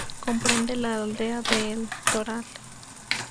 Comprende la aldea de El Toral.